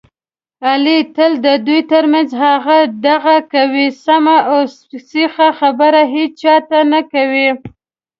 علي تل د دوو ترمنځ هغه دغه کوي، سمه اوسیخه خبره هېچاته نه کوي.